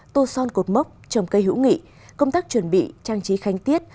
tô son cột mốc trồng cây hữu nghị công tác chuẩn bị trang trí khánh tiết